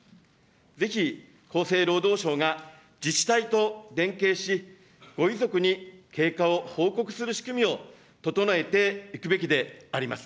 ぜひ、厚生労働省が自治体と連携し、ご遺族に経過を報告する仕組みを整えていくべきであります。